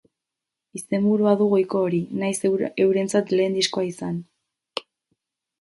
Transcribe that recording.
Izenburua du goiko hori, nahiz eurentzat lehen diskoa izan.